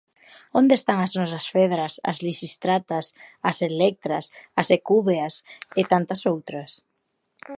Onde están as nosas Fedras, as Lisistratas, as Electras, as Hecúbeas e tantas outras?